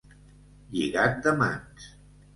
Lligat de mans.